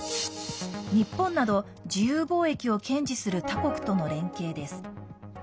日本など、自由貿易を堅持する他国との連携です。